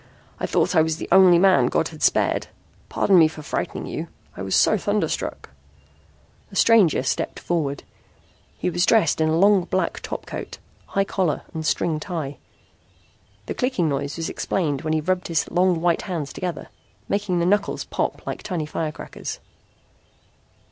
"I thought I was the only man God had spared. Pardon me for frightening you. I was so thunderstruck...." The stranger stepped forward. He was dressed in a long black topcoat, high collar and string tie. The clicking noise was explained when he rubbed his long white hands together, making the knuckles pop like tiny firecrackers.